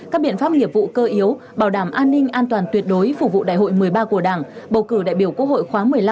các biện pháp nghiệp vụ cơ yếu bảo đảm an ninh an toàn tuyệt đối phục vụ đại hội một mươi ba của đảng bầu cử đại biểu quốc hội khóa một mươi năm